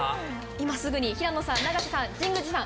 今すぐに平野さん永瀬さん